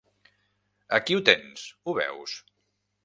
Aquí ho tens, ho veus!